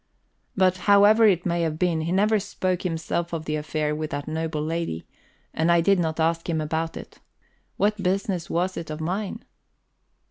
But, however it may have been, he never spoke himself of the affair with that noble lady, and I did not ask him about it. What business was it of mine?